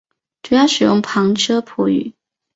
主要使用旁遮普语。